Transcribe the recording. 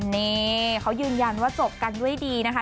นี่เขายืนยันว่าจบกันด้วยดีนะคะ